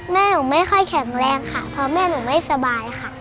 แม่หนูไม่ค่อยแข็งแรงค่ะเพราะแม่หนูไม่สบายค่ะ